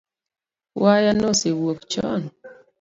Waya nosewuok chon